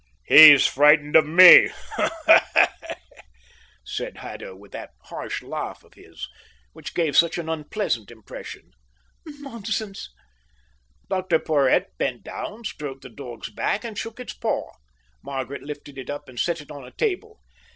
"He's frightened of me," said Haddo, with that harsh laugh of his, which gave such an unpleasant impression. "Nonsense!" Dr Porhoët bent down, stroked the dog's back, and shook its paw. Margaret lifted it up and set it on a table.